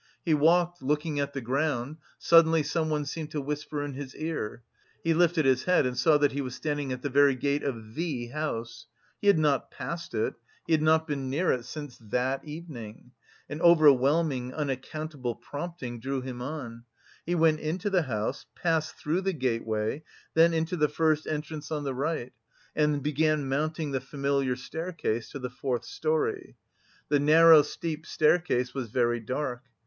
He walked, looking at the ground; suddenly someone seemed to whisper in his ear; he lifted his head and saw that he was standing at the very gate of the house. He had not passed it, he had not been near it since that evening. An overwhelming, unaccountable prompting drew him on. He went into the house, passed through the gateway, then into the first entrance on the right, and began mounting the familiar staircase to the fourth storey. The narrow, steep staircase was very dark.